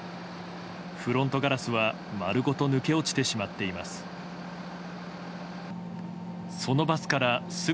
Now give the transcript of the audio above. フロントガラスは丸ごと抜け落ちてしまっています。